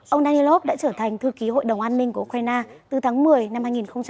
ông danilov đã trở thành thư ký hội đồng an ninh của ukraine từ tháng một mươi năm hai nghìn một mươi ba